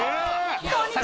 こんにちは！